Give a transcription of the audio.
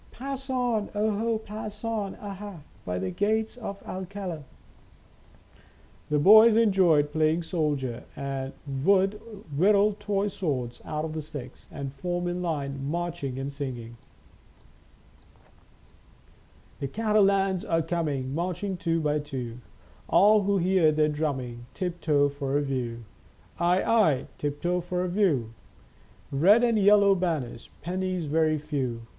" Pass on, oho, pass on, aha, By the Gates of Alcala." The boys enjoyed playing soldier, and would whittle toy swords out of sticks, and form in line, marching and singing :" The Catalans are coming, Marching two by two ; All who hear their drumming, Tiptoe for a view, Aye, aye, tiptoe for a view ; Red and yellow banners, Pennies very few.